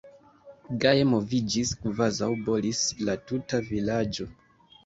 Gaje moviĝis, kvazaŭ bolis la tuta vilaĝo!